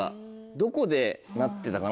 どこでなってたかな？